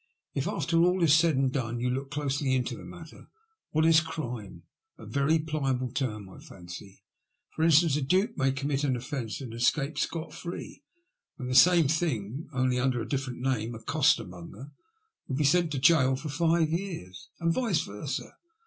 If, after all is said and done, you look closely into the matter, what is crime ? A very pliable term, I fancy. For instance, a duke may commit an offence, and escape scot free, when, for the same thing, only under a different name, a costermonger would be sent to gaol for five years. And vice vena.